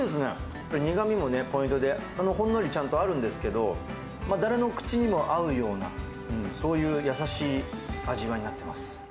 やっぱり苦みもね、ポイントで、ほんのりちゃんとあるんですけど、誰の口にも合うような、そういう優しい味わいになっています。